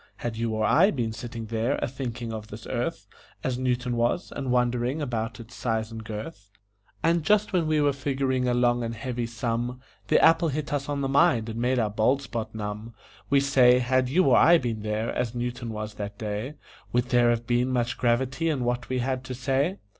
Had you or I been sitting there a thinking of this earth, As Newton was, and wondering about its size and girth, And just when we were figuring a long and heavy sum, The apple hit us on the mind and made our bald spot numb! We say, had you or I been there, as Newton was that day, Would there have been much gravity in what we had to say?